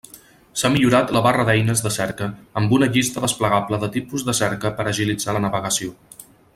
S'ha millorat la barra d'eines de cerca amb una llista desplegable de tipus de cerca per a agilitzar la navegació.